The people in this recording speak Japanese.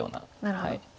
なるほど。